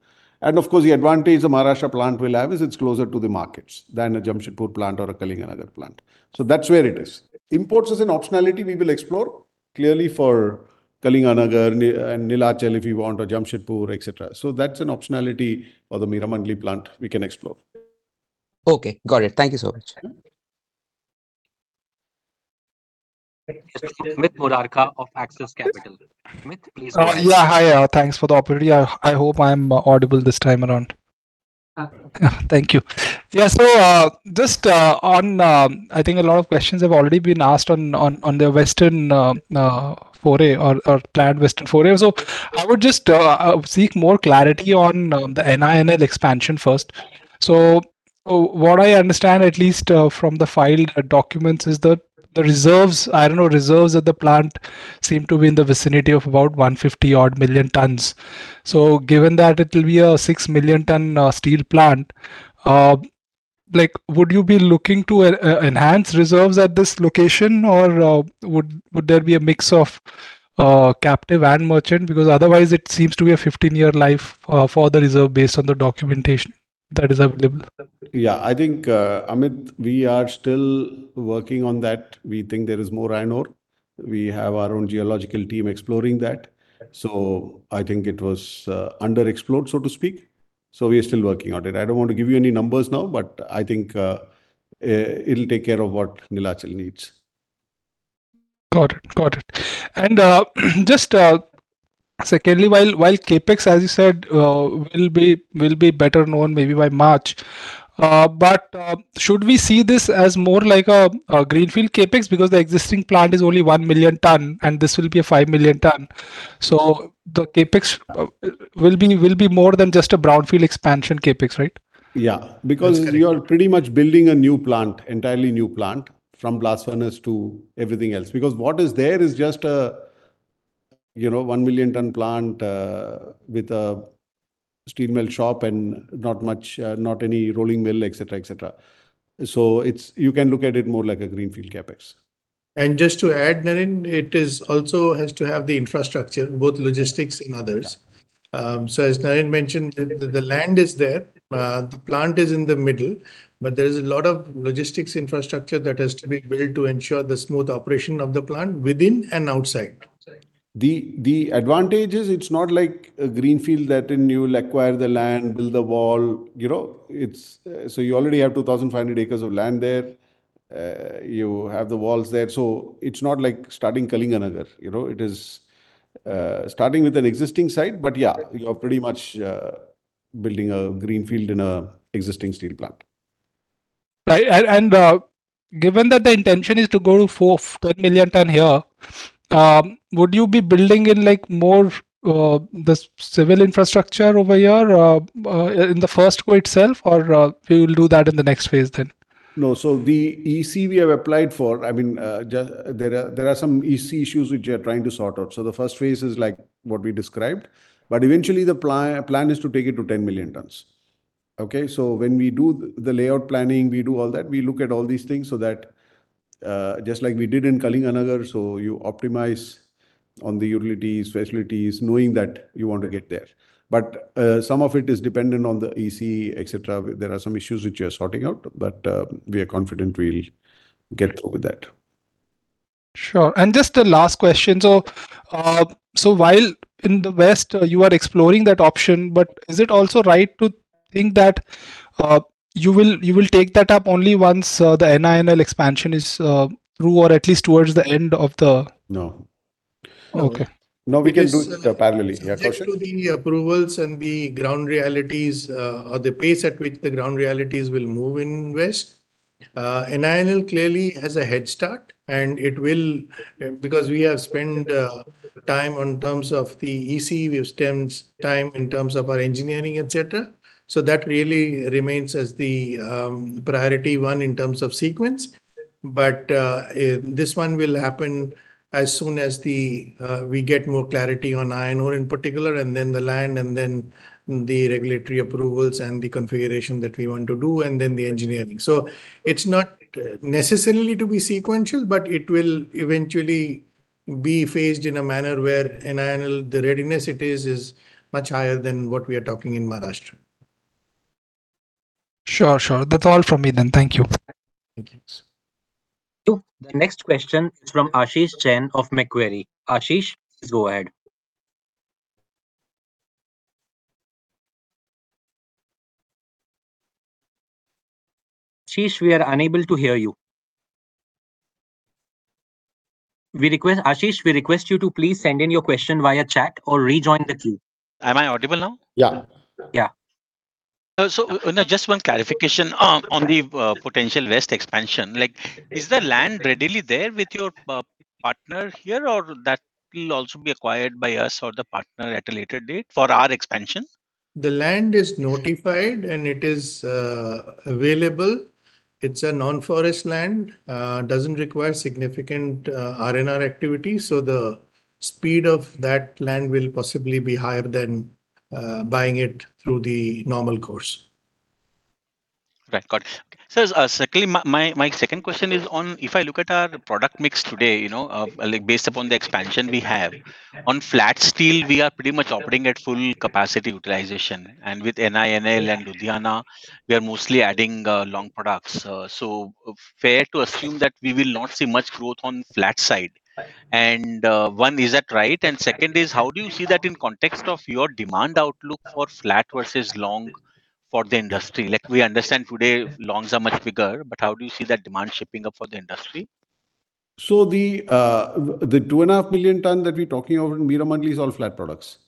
B: And of course, the advantage the Maharashtra plant will have is it's closer to the markets than a Jamshedpur plant or a Kalinganagar plant. So that's where it is. Imports, as an optionality, we will explore clearly for Kalinganagar and Neelachal if you want or Jamshedpur, etc. So that's an optionality for the Meramandali plant we can explore.
O: Okay. Got it. Thank you so much.
A: Amit Murarka of Axis Capital. Amit, please.
L: Yeah, hi. Thanks for the opportunity. I hope I'm audible this time around. Thank you. Yeah, so just on, I think a lot of questions have already been asked on the Western foray or planned Western foray. So I would just seek more clarity on the NINL expansion first. So what I understand, at least from the filed documents, is that the reserves, iron ore reserves at the plant seem to be in the vicinity of about 150-odd million tons. So given that it'll be a 6 million-ton steel plant, would you be looking to enhance reserves at this location, or would there be a mix of captive and merchant? Because otherwise, it seems to be a 15-year life for the reserve based on the documentation that is available.
B: Yeah, I think, Amit, we are still working on that. We think there is more iron ore. We have our own geological team exploring that. So I think it was underexplored, so to speak. So we are still working on it. I don't want to give you any numbers now, but I think it'll take care of what Neelachal needs.
L: Got it. Got it. And just secondly, while CapEx, as you said, will be better known maybe by March, but should we see this as more like a greenfield CapEx because the existing plant is only 1 million ton, and this will be a 5 million ton? So the CapEx will be more than just a brownfield expansion CapEx, right?
B: Yeah, because you are pretty much building a new plant, entirely new plant from blast furnace to everything else. Because what is there is just a one million-ton plant with a steel melt shop and not any rolling mill, etc., etc. So you can look at it more like a greenfield CapEx.
E: Just to add, Naren, it also has to have the infrastructure, both logistics and others. So as Naren mentioned, the land is there. The plant is in the middle, but there is a lot of logistics infrastructure that has to be built to ensure the smooth operation of the plant within and outside.
B: The advantage is it's not like a greenfield that you'll acquire the land, build the wall. So you already have 2,500 acres of land there. You have the walls there. So it's not like starting Kalinganagar. It is starting with an existing site, but yeah, you're pretty much building a greenfield in an existing steel plant.
L: Given that the intention is to go to 10 million ton here, would you be building in more the civil infrastructure over here in the first go itself, or you'll do that in the next phase then?
B: No, so the EC we have applied for, I mean, there are some EC issues which we are trying to sort out. So the first phase is like what we described. But eventually, the plan is to take it to 10 million tons. Okay? So when we do the layout planning, we do all that. We look at all these things so that just like we did in Kalinganagar, so you optimize on the utilities, facilities, knowing that you want to get there. But some of it is dependent on the EC, etc. There are some issues which we are sorting out, but we are confident we'll get through with that.
L: Sure. And just the last question. So while in the West, you are exploring that option, but is it also right to think that you will take that up only once the NINL expansion is through or at least towards the end of the?
B: No.
L: Okay.
B: No, we can do it parallelly. Yeah, go ahead.
E: Just to the approvals and the ground realities or the pace at which the ground realities will move in west, NINL clearly has a head start, and because we have spent time in terms of the EC, we've spent time in terms of our engineering, etc., so that really remains as the priority one in terms of sequence, but this one will happen as soon as we get more clarity on iron ore in particular, and then the land, and then the regulatory approvals and the configuration that we want to do, and then the engineering, so it's not necessarily to be sequential, but it will eventually be phased in a manner where NINL, the readiness it is, is much higher than what we are talking in Maharashtra.
L: Sure, sure. That's all from me then. Thank you.
A: Thank you. The next question is from Ashish Jain of Macquarie. Ashish, please go ahead. Ashish, we are unable to hear you. Ashish, we request you to please send in your question via chat or rejoin the queue.
P: Am I audible now?
B: Yeah.
E: Yeah,
P: so just one clarification on the potential West expansion. Is the land readily there with your partner here, or that will also be acquired by us or the partner at a later date for our expansion?
E: The land is notified, and it is available. It's a non-forest land. It doesn't require significant R&R activity. So the speed of that land will possibly be higher than buying it through the normal course.
P: Right. Got it. So my second question is on if I look at our product mix today, based upon the expansion we have, on flat steel, we are pretty much operating at full capacity utilization. And with NINL and Ludhiana, we are mostly adding long products. So fair to assume that we will not see much growth on the flat side. And one, is that right? And second is, how do you see that in context of your demand outlook for flat versus long for the industry? We understand today longs are much bigger, but how do you see that demand shifting up for the industry?
B: So the 2.5 million tons that we're talking about in Meramandali is all flat products,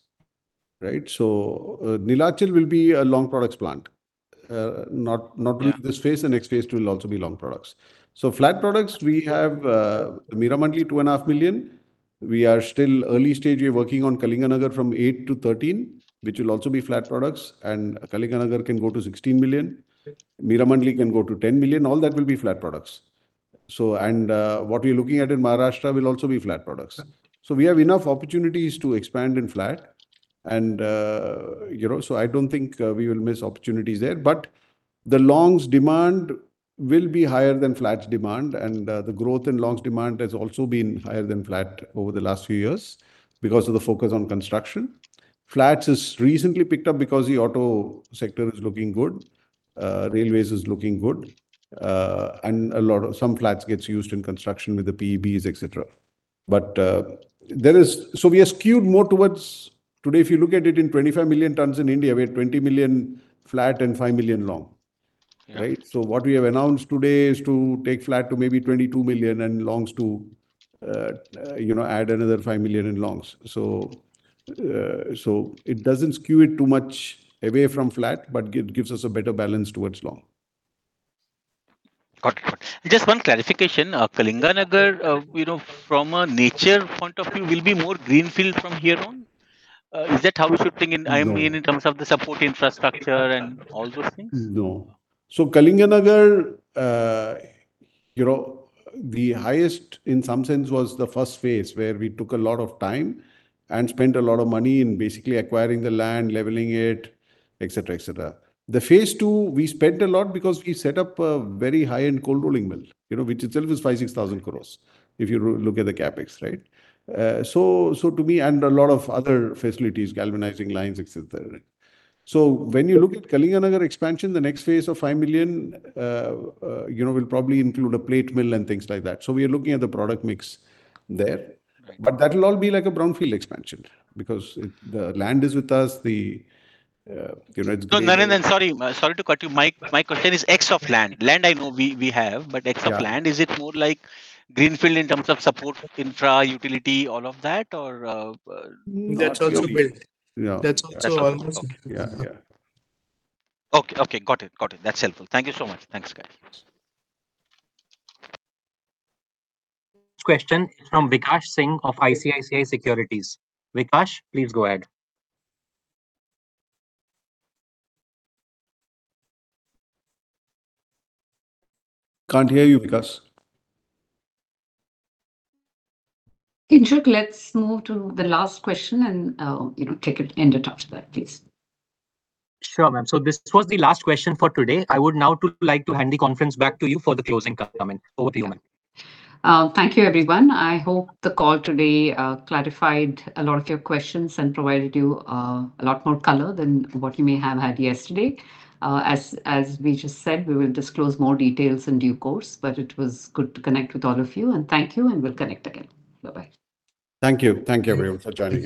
B: right? So Neelachal will be a long products plant. Not only this phase, the next phase will also be long products. So flat products, we have Meramandali 2.5 million. We are still early stage. We are working on Kalinganagar from 8 to 13, which will also be flat products. And Kalinganagar can go to 16 million. Meramandali can go to 10 million. All that will be flat products. And what we're looking at in Maharashtra will also be flat products. So we have enough opportunities to expand in flat. And so I don't think we will miss opportunities there. But the longs' demand will be higher than flats demand. And the growth in longs' demand has also been higher than flat over the last few years because of the focus on construction. Flats is recently picked up because the auto sector is looking good. Railways is looking good. And some flats get used in construction with the PEBs, etc. But so we are skewed more towards today, if you look at it in 25 million tons in India, we have 20 million flat and five million long, right? So what we have announced today is to take flat to maybe 22 million and longs to add another five million in longs. So it doesn't skew it too much away from flat, but it gives us a better balance towards long.
P: Got it. Just one clarification. Kalinganagar, from a nature point of view, will be more greenfield from here on? Is that how you should think in terms of the support infrastructure and all those things?
B: No. So Kalinganagar, the highest in some sense was the first phase where we took a lot of time and spent a lot of money in basically acquiring the land, leveling it, etc., etc. The phase two, we spent a lot because we set up a very high-end cold rolling mill, which itself is 5,000-6,000 crores if you look at the CapEx, right? So to me, and a lot of other facilities, galvanizing lines, etc. So when you look at Kalinganagar expansion, the next phase of 5 million will probably include a plate mill and things like that. So we are looking at the product mix there. But that will all be like a brownfield expansion because the land is with us.
P: So, Narendran, and sorry to cut you, my question is X of land. Land I know we have, but X of land, is it more like greenfield in terms of support, infra, utility, all of that, or?
E: That's also built. That's also almost.
P: Okay. Okay. Got it. Got it. That's helpful. Thank you so much. Thanks, guys.
A: Question from Vikas Singh of ICICI Securities. Vikas, please go ahead.
B: Can't hear you, Vikas.
C: In short, let's move to the last question and take it and end after that, please.
A: Sure, ma'am. So this was the last question for today. I would now like to hand the conference back to you for the closing comment. Over to you, ma'am.
C: Thank you, everyone. I hope the call today clarified a lot of your questions and provided you a lot more color than what you may have had yesterday. As we just said, we will disclose more details in due course, but it was good to connect with all of you. And thank you, and we'll connect again. Bye-bye.
B: Thank you. Thank you, everyone.